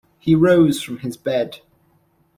He rose from his bed.